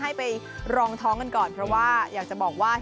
ให้ไปรองท้องกันก่อนเพราะว่าอยากจะบอกว่า